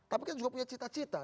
tapi kan juga punya cita cita